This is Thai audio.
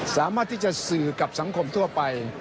สามารถที่จะสื่อกับสังคมทั่วไป